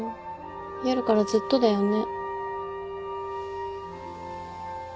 夜からずっとだよね。